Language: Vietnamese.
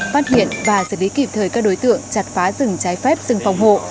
phát hiện và xử lý kịp thời các đối tượng chặt phá rừng trái phép rừng phòng hộ